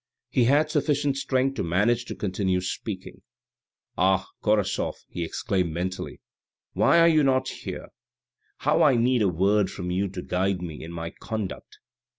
He had sufficient strength to manage to continue speaking :" Ah, Korasoff," he exclaimed mentally, " why are you not here ? How I need a word from you to guide me in my conduct."